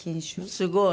すごい。